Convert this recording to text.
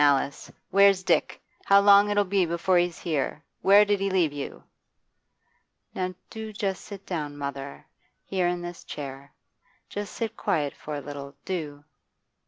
Alice, where's Dick? How long'll it be before he's here? Where did he leave you?' 'Now do just sit down, mother; here, in this chair. Just sit quiet for a little, do.